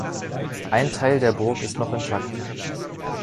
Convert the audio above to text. Ein Teil der Burg ist noch intakt.